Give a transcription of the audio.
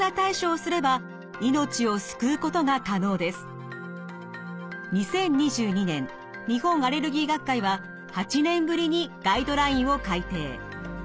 アナフィラキシーは２０２２年日本アレルギー学会は８年ぶりにガイドラインを改訂。